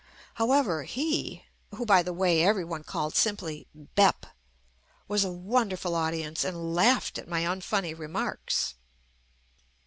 However, "he," who by the way every one called simply "Bep," was a wonderful audience and laughed at my unfunny remarks.